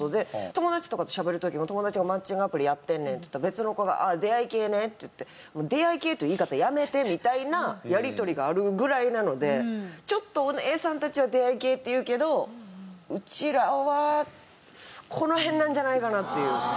友達とかとしゃべる時も友達が「マッチングアプリやってんねん」って言ったら別の子が「ああ出会い系ね」って言って「出会い系って言い方やめて」みたいなやり取りがあるぐらいなのでちょっとお姉さんたちは出会い系って言うけどうちらはこの辺なんじゃないかなという。